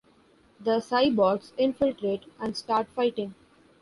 The cyborgs infiltrate and start fighting.